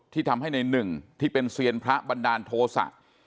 ที่ทำให้ในหนึ่งที่เป็นเซียนพระบันดาลโทษะ